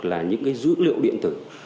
là những cái dữ liệu điện tử